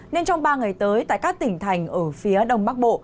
nên trong ba ngày tới tại các tỉnh thành ở phía đông bắc bộ